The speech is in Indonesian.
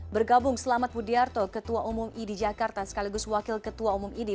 bergabung selamat budiarto ketua umum idi jakarta sekaligus wakil ketua umum idi